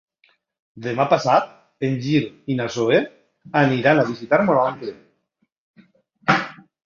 Demà passat en Gil i na Zoè aniran a visitar mon oncle.